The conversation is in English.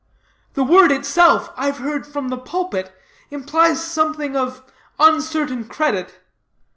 The word itself, I've heard from the pulpit, implies something of uncertain credit.